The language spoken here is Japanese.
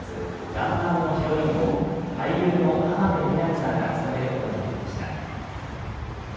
らんまんのヒロインを俳優の浜辺美波さんが務めることになりました。